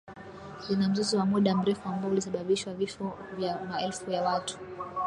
zina mzozo wa muda mrefu ambao ulisababishwa vifo vya maelfu ya watu